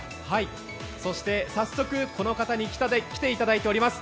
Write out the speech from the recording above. そして早速この方に来ていただいております。